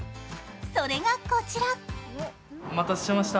それがこちら。